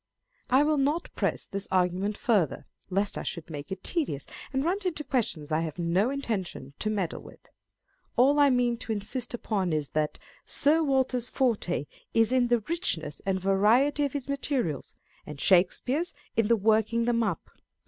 I will not press this argument farther, lest I should make it tedious, and run into questions I have no intention to meddle with. All I mean to insist upon is, that Sir Walter's forte is in the richness and variety of his materials, and Shakespeare's in the working them up.